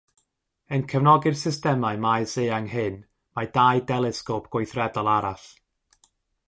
Yn cefnogi'r systemau maes eang hyn mae dau delesgop gweithredol arall.